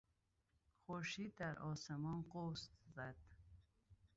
خورشید در آسمان قوس زد.